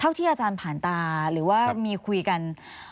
ที่อาจารย์ผ่านตาหรือว่ามีคุยกัน